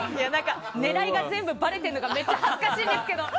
狙いが全部ばれてるのがめっちゃ恥ずかしいですけど。